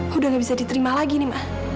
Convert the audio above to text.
sudah tidak bisa diterima lagi ma